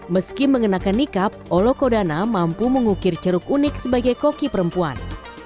meski mengenakan nikab olokodana mampu mengukir ceruk unik sebagai koki perempuan